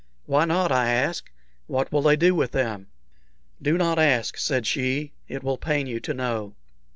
"Why not?" I asked; "what will they do with them?" "Do not ask," said she. "It will pain you to know."